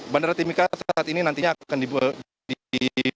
bandara timika saat ini nantinya akan dibuka